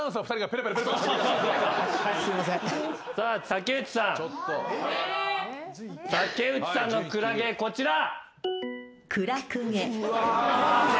竹内さんのクラゲこちら。